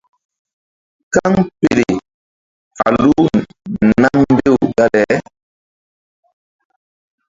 Kaŋpele falu nam mbew dale.